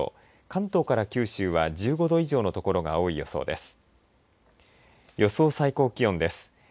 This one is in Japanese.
関東から九州は１５度以上の所が多い予想です。